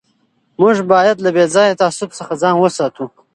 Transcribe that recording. موږ باید له بې ځایه تعصب څخه ځان وساتو.